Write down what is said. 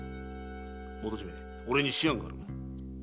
元締俺に思案がある。